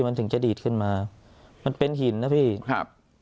มันถึงจะดีดขึ้นมามันเป็นหินนะพี่ครับ